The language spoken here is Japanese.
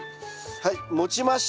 はい持ちました。